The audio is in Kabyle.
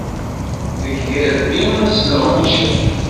Deg yirebbi ad sleɣmucen.